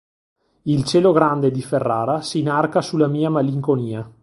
Il cielo grande di Ferrara s'inarca sulla mia malinconia.